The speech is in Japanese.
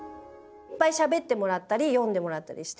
いっぱいしゃべってもらったり読んでもらったりして。